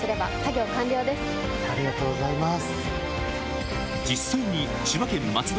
ありがとうございます。